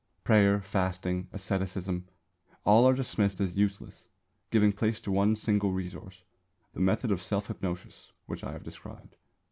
Prayer, fasting, asceticism all are dismissed as useless, giving place to one single resource, the method of self hypnosis which I have here described.